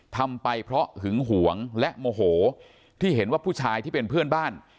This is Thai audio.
ทำไปเพราะหึงหวงและโมโหที่เห็นว่าผู้ชายที่เป็นเพื่อนบ้าน